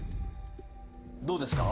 「どうですか？」